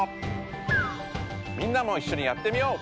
みんなもいっしょにやってみよう！